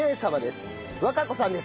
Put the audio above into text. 和香子さんです。